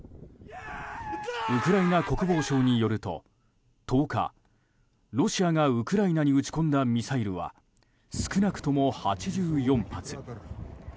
ウクライナ国防省によると１０日ロシアがウクライナに撃ち込んだミサイルは少なくとも８４発。